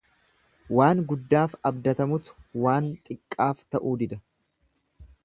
Waan guddaaf abdatamutu waan xiqqaaf ta'uu dida.